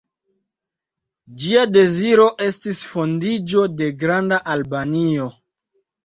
Ĝia deziro estis fondiĝo de Granda Albanio.